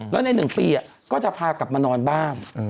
แล้วใน๑ปีก็จะพากลับมานอนบ้าน